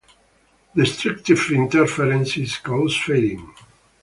Destructive interference causes fading.